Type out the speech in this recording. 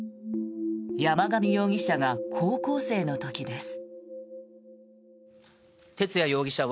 山上容疑者が高校生の時です。